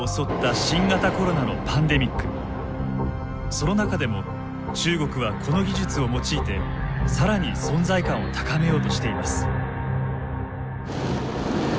その中でも中国はこの技術を用いて更に存在感を高めようとしています。